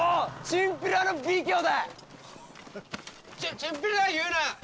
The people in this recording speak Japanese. チンピラいうな！